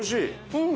うん！